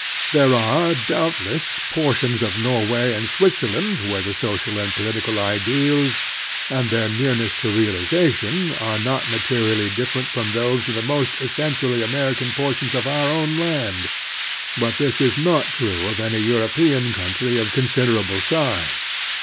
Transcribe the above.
There are, doubt less, portions of Norway and Switzerland where the social and political ideals, and their nearness to realization, are not materially diflEerent from those of the most essentially American portions of our own land ; but this is not true of any Euro pean country of considerable size.